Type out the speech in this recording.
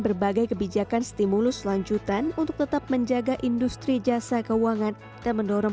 berbagai kebijakan stimulus lanjutan untuk tetap menjaga industri jasa keuangan dan mendorong